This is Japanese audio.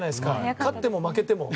勝っても負けても。